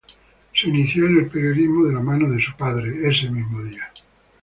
Se inició en el periodismo de la mano de su padre ese mismo día.